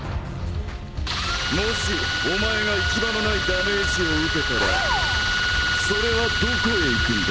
もしお前が行き場のないダメージを受けたらそれはどこへいくんだ？